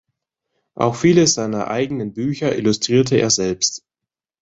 Auch viele seiner eigenen Bücher illustrierte er selbst.